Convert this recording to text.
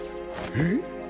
えっ！？